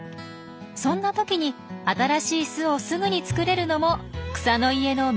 そんな時に新しい巣をすぐに作れるのも草の家のメリットなんです。